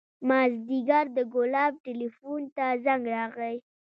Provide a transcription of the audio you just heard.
مازديګر د ګلاب ټېلفون ته زنګ راغى.